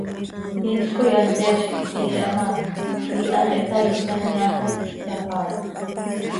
Inl coi hanteezj quih tihiiha ma, iihax ihtaai, ihtaneaaxot, ihyapaaisx.